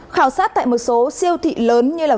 khảo sát tại một số siêu thị lớn như